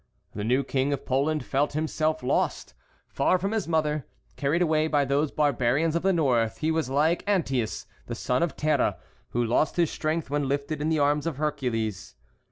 The new King of Poland felt himself lost. Far from his mother, carried away by those barbarians of the north, he was like Antæus, the son of Terra, who lost his strength when lifted in the arms of Hercules.